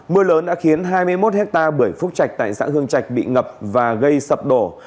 mưa lớn đã khiến hai mươi một hectare bưởi phúc trạch tại xã hương trạch bị ngập và gây sập đổ